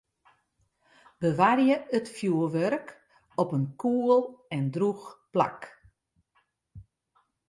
Bewarje it fjurwurk op in koel en drûch plak.